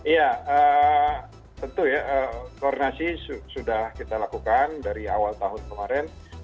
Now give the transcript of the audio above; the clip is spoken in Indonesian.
ya tentu ya koordinasi sudah kita lakukan dari awal tahun kemarin